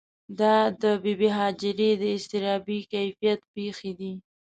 دا د بې بي هاجرې د اضطرابي کیفیت پېښې دي.